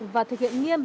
và thực hiện nghiêm